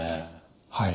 はい。